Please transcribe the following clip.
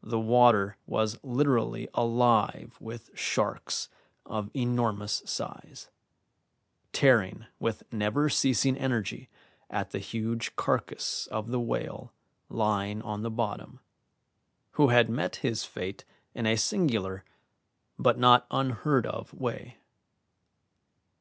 The water was literally alive with sharks of enormous size, tearing with never ceasing energy at the huge carcass of the whale lying on the bottom, who had met his fate in a singular but not unheard of way.